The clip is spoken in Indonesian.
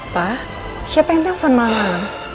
pak siapa yang telepon malam malam